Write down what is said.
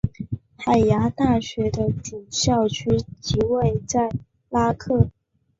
海牙大学的主校区即位在拉克。